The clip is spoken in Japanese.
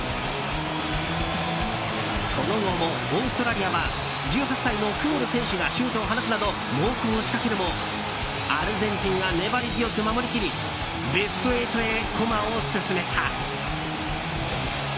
その後も、オーストラリアは１８歳のクオル選手がシュートを放つなど猛攻を仕掛けるもアルゼンチンが粘り強く守りきりベスト８へ駒を進めた。